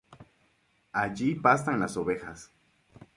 Allí pastan las ovejas.